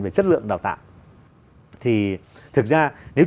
về chất lượng đào tạo thì thực ra nếu